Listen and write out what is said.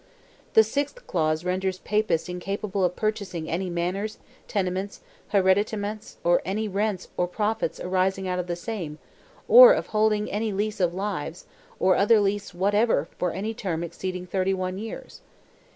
The sixth clause renders Papists incapable of purchasing any manors, tenements, hereditaments, or any rents or profits arising out of the same, or of holding any lease of lives, or other lease whatever, for any term exceeding thirty one years.